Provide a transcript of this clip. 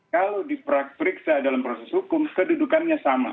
kalau diperiksa dalam proses hukum kedudukannya sama